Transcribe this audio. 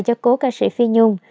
cho cổ ca sĩ phi nhung